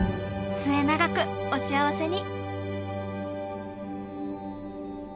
末永くお幸せに。